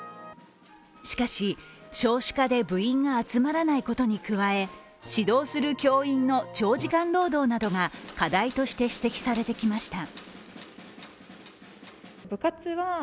しかし、少子化で部員が集まらないことに加え、指導する教員の長時間労働などが課題として指摘されてきました。